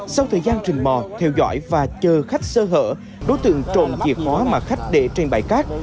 sau thời gian trình mò theo dõi và chờ khách sơ hở đối tượng trộm dịp hóa mà khách để trên bãi cát